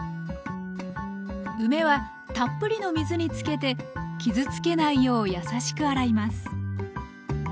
梅はたっぷりの水につけて傷つけないようやさしく洗います